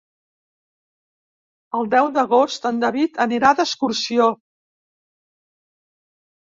El deu d'agost en David anirà d'excursió.